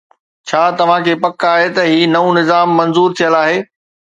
ڇا توهان کي پڪ آهي ته هي نئون نظام منظور ٿيل آهي؟